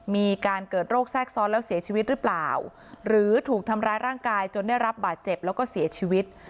มีการเกิดโรคแทรกซ้อนแล้วเสียชีวิตหรือเปล่าหรือถูกทำร้ายร่างกายจนได้รับบาดเจ็บแล้วก็เสียชีวิต